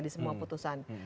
di semua putusan